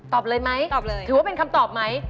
ตอบเลยไหมถือว่าเป็นคำตอบไหม